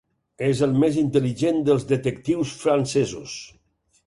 És el mes intel·ligent dels detectius francesos.